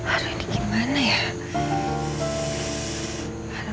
aduh ini gimana ya